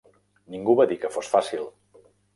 Ningú va dir que fos fàcil.